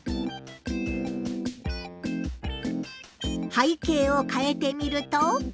背景をかえてみると。